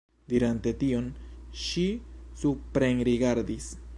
Dirante tion, ŝi suprenrigardis.